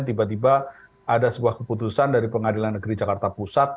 tiba tiba ada sebuah keputusan dari pengadilan negeri jakarta pusat